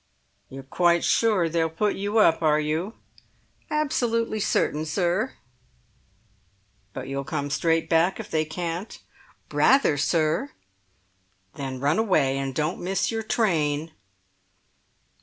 "You're quite sure they'll put you up, are you?" "Absolutely certain, sir." "But you'll come straight back if they can't?" "Rather, sir!" "Then run away, and don't miss your train."